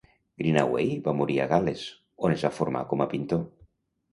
Greenaway va morir a Gal·les, on es va formar com a pintor.